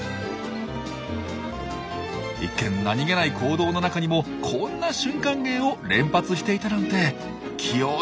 一見何気ない行動の中にもこんな瞬間芸を連発していたなんて器用な鳥ですねえ。